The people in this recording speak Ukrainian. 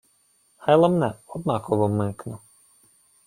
— Хай ламне, однаково вмикну.